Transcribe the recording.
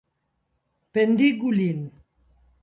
Pendigu lin!